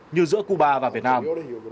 như giữa cuba và việt nam